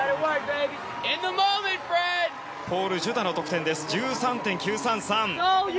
ポール・ジュダの得点は１３．９３３。